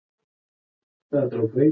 کعبه مکعب بڼه لري او په پوښ کې پټه ده.